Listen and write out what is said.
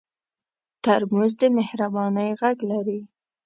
ترموز د مهربانۍ غږ لري.